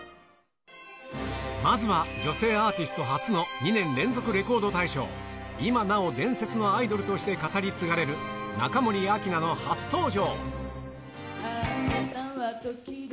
まずは、女性アーティスト初の２年連続レコード大賞、今なお伝説のアイドルとして語り継がれる中森明菜の初登場。